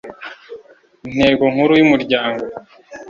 intego nkuru y umuryango